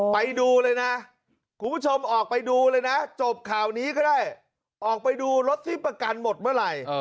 ไปดูเลยนะคุณผู้ชมออกไปดูเลยนะจบข่าวนี้ก็ได้ออกไปดูรถที่ประกันหมดเมื่อไหร่